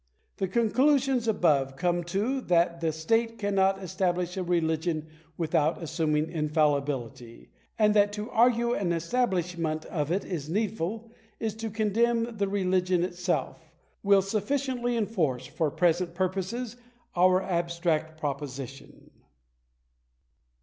The conclusions above come to, that the state cannot establish a religion without assuming infallibility, and that to argue an establishment of it needful is to condemn the religion itself, will sufficiently enforce, for present purposes, our abstract proposition.'